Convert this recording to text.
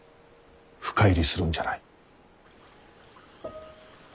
深入りするんじゃない。